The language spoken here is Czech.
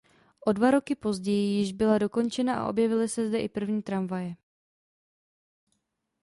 O dva roky později již byla dokončena a objevily se zde i první tramvaje.